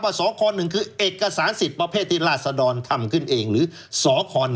สค๑คือเอกสารสิทธิ์ประเภทที่ราศดรทำขึ้นเองหรือสค๑